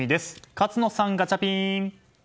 勝野さん、ガチャピン！